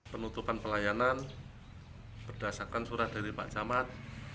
penutupan pelayanan berdasarkan surat dari pak camat